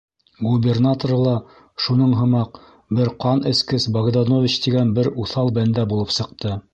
Губернаторы ла шуның һымаҡ бер ҡан эскес Богданович тигән бер уҫал бәндә булып сыҡты.